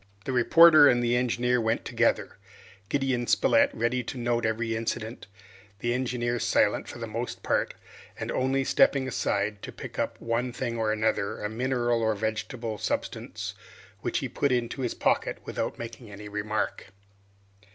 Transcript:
The reporter and the engineer went together, Gideon Spilett ready to note every incident, the engineer silent for the most part, and only stepping aside to pick up one thing or another, a mineral or vegetable substance, which he put into his pocket, without making any remark.